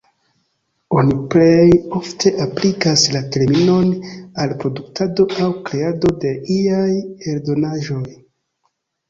Oni plej ofte aplikas la terminon al produktado aŭ kreado de iaj eldonaĵoj.